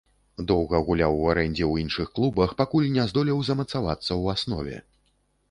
Доўга гуляў у арэндзе ў іншых клубах, пакуль не здолеў замацавацца ў аснове.